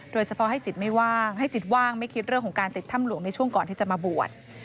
โดยเฉพาะให้จิตไม่ว่างให้จิตว่างไม่คิดเรื่องของการติดถ้ำหลวงในช่วงก่อนที่จะมาบวช